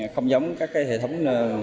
không giống các cái hệ thống